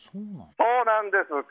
そうなんです。